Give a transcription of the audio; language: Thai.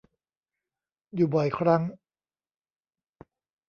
อยู่บ่อยครั้ง